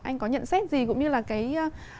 anh có nhận xét gì cũng như là cái